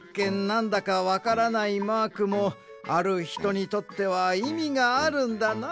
なんだかわからないマークもあるひとにとってはいみがあるんだな。